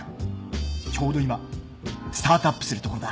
ちょうど今スタートアップするところだ。